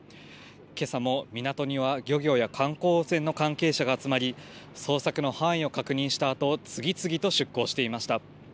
けさも港には、漁業や観光船の関係者が集まり、捜索の範囲を確認したあと、次々と出港していました。